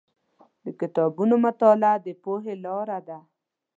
د کتابونو مطالعه د پوهې لاره ده.